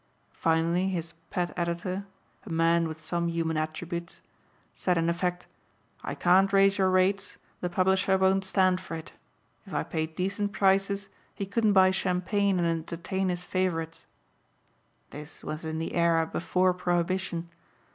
Finally his pet editor a man with some human attributes said in effect, 'I can't raise your rates; the publisher won't stand for it. If I paid decent prices he couldn't buy champagne and entertain his favorites.' This was in the era before prohibition.